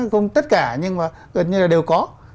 không tất cả nhưng mà gần như là đều có